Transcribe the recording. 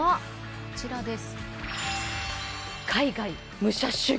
こちらです。